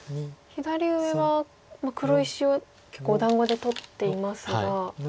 左上は黒石を結構お団子で取っていますが。